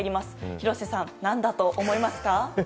廣瀬さん、何だと思いますか？